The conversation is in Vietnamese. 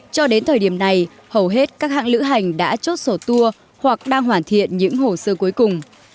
cho đến thời điểm này hầu hết các hãng lữ hành đã chốt sổ tour hoặc đang hoàn thiện những hồ sơ cuối cùng